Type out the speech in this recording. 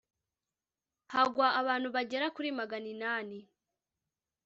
hagwa abantu bagera kuri magana inani